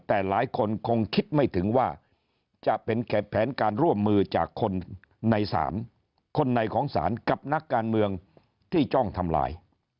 แต่หลายคนคงคิดไม่ถึงว่าจะเป็นแผนการร่วมมือจากคนใน๓คนในของศาลกับนักการเมืองที่จ้องทำลาย